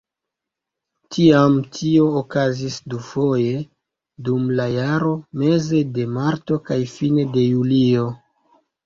Tiam tio okazis dufoje dum la jaro: meze de marto kaj fine de julio.